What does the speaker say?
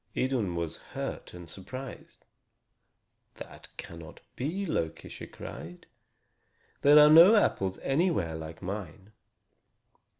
Idun was hurt and surprised. "That cannot be, Loki," she cried. "There are no apples anywhere like mine.